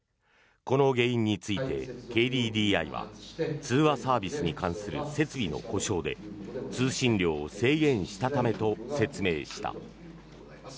この原因についてＫＤＤＩは通話サービスに関する設備の故障で通信量を制限したためと説明した。